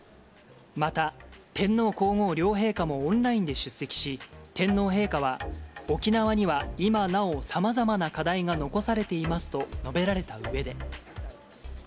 また天皇皇后両陛下もオンラインで出席し、天皇陛下は、沖縄には今なおさまざまな課題が残されていますと述べられたうえで。